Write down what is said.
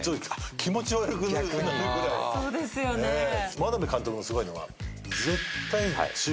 眞鍋監督のすごいのは。